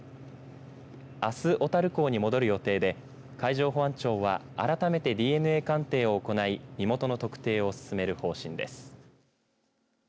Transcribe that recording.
あす小樽港に戻る予定で海上保安庁は改めてＤＮＡ鑑定を行い身元の特定を進める方針です。